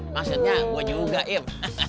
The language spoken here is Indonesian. maksudnya gue juga im